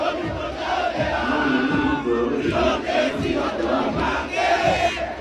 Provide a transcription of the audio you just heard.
Imana nitubabarire maze iduhe umugisha